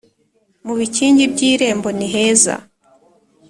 mu bikingi by’irembo ni heza